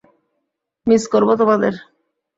Miss করব তোমাদের।